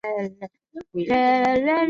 鸦跖花为毛茛科鸦跖花属下的一个种。